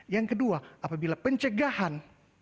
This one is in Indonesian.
yang kedua apabila pencegahan